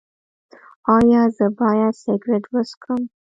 ایا زه باید سګرټ وڅکوم؟